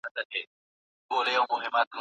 ما وې زه به زلمیتوب په ارغوان کي زړومه